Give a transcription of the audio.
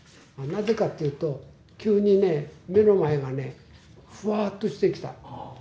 なぜかっていうと、急にね、目の前がね、ふわっとしてきた。